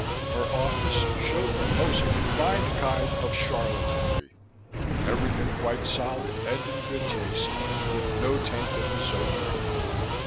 Her office showed the most refined kind of charlatanry everything quite solid and in good taste, with no taint of the Zodiac.